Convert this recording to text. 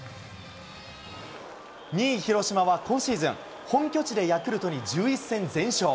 ２位広島は今シーズン、本拠地でヤクルトに１１戦全勝。